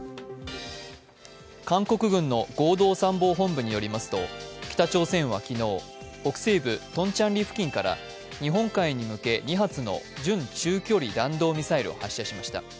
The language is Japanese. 韓国軍の合同参謀本部によりますと、北朝鮮は昨日、北西部トンチャンリ付近から日本海に向け２発の準中距離弾道ミサイルを発射しました。